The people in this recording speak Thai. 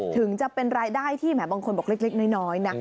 ถึงจะเป็นรายได้ที่แหมบางคนบอกเล็กน้อยนะ